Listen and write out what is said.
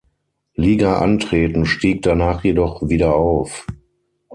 Liga antreten, stieg danach jedoch wieder auf.